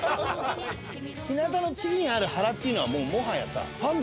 日向の次にある原っていうのはもうもはやさ。